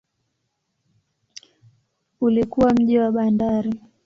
Ulikuwa mji wa bandari.